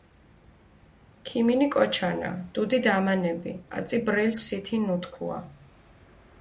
ქიმინი კოჩანა, დუდი დამანები, აწი ბრელს სითი ნუ თქუა?